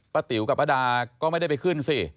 ติ๋วกับป้าดาก็ไม่ได้ไปขึ้นสิ